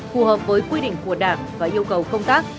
phù hợp với quy định của đảng và yêu cầu công tác